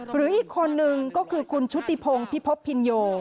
หรืออีกคนนึงก็คือคุณชุติพงศ์พิพบพินโย